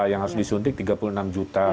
yang harus disuntik tiga puluh enam juta